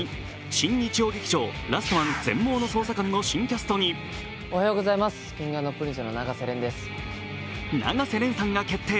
新日曜劇場「ラストマン−全盲の捜査官−」の新キャストに永瀬廉さんが決定。